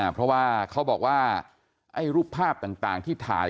พอว่าเขาบอกว่ารูปภาพต่าง